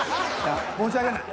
申し訳ない。